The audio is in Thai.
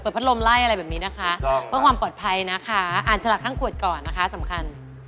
พัดลมไล่อะไรแบบนี้นะคะเพื่อความปลอดภัยนะคะอ่านฉลากข้างขวดก่อนนะคะสำคัญ